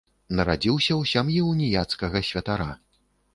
Нарадзіўся ў сям'і ўніяцкага святара.